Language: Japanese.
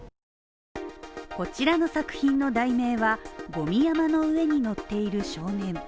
こちらの作品の題名は「ごみの上に乗っている少年」